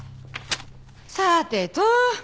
さてと。